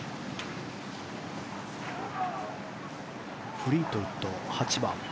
フリートウッド、８番。